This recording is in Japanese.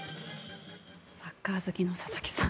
サッカー好きの佐々木さん